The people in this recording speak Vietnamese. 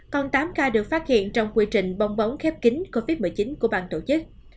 còn tám ca được phát hiện trong quy trình bong bóng khép kính covid một mươi chín của bang tổ chức